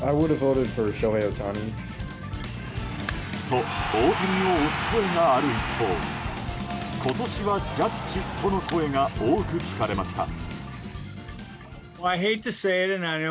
と、大谷を推す声がある一方今年はジャッジとの声が多く聞かれました。